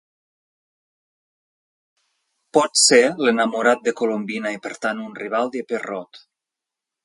Pot ser l'enamorat de Colombina, i per tant, un rival de Pierrot.